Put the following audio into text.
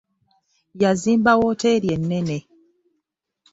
Yazimba wooteeri ennene.